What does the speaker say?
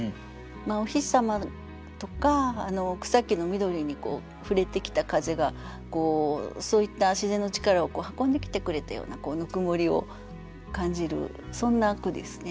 お日様とか草木の緑に触れてきた風がそういった自然の力を運んできてくれたようなぬくもりを感じるそんな句ですね。